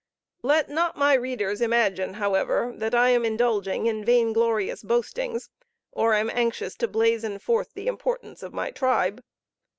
Let not my readers imagine, however, that I am indulging in vain glorious boastings, or am anxious to blazon forth the importance of my tribe.